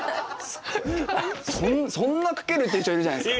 そんなかける？っていう人いるじゃないですか。